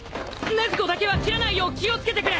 禰豆子だけは斬らないよう気を付けてくれ！